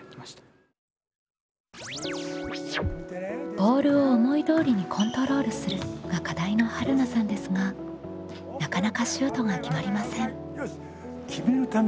「ボールを思い通りにコントロールする」が課題のはるなさんですがなかなかシュートが決まりません。